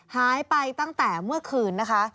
หายไปตั้งแต่เมื่อคืนนะคะ